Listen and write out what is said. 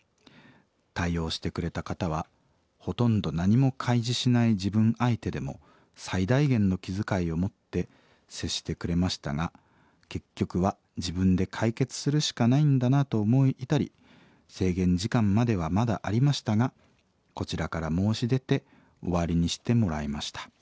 対応してくれた方はほとんど何も開示しない自分相手でも最大限の気遣いをもって接してくれましたが結局は自分で解決するしかないんだなと思い至り制限時間まではまだありましたがこちらから申し出て終わりにしてもらいました。